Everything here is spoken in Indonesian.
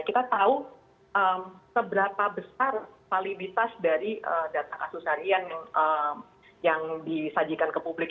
kita tahu seberapa besar validitas dari data kasus harian yang disajikan ke publik